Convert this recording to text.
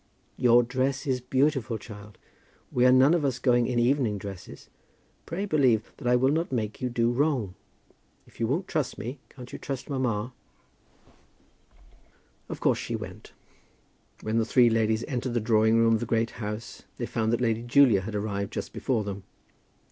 "Your dress is beautiful, child. We are none of us going in evening dresses. Pray believe that I will not make you do wrong. If you won't trust me, can't you trust mamma?" Of course she went. When the three ladies entered the drawing room of the Great House they found that Lady Julia had arrived just before them.